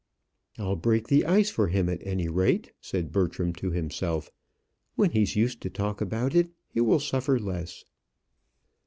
"I'll break the ice for him, at any rate," said Bertram to himself. "When he's used to talk about it, he will suffer less."